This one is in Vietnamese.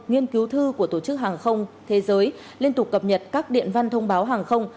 nghiên cứu thư của tổ chức hàng không thế giới liên tục cập nhật các điện văn thông báo hàng không